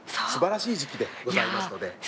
すばらしい時期でございますので。